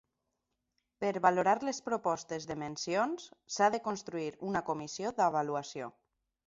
Per valorar les propostes de mencions, s'ha de constituir una Comissió d'Avaluació.